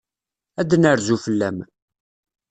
Ad d-nerzu fell-am.